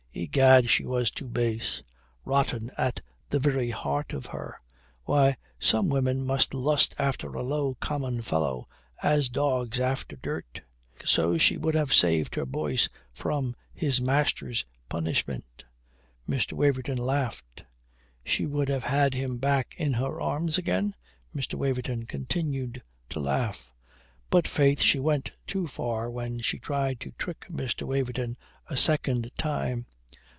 Egad, she was too base. Rotten at the very heart of her. Why, some women must lust after a low, common fellow, as dogs after dirt. So she would have saved her Boyce from his master's punishment? Mr. Waverton laughed. She would have had him back in her arms again? Mr. Waverton continued to laugh. But faith, she went too far when she tried to trick Mr. Waverton a second time.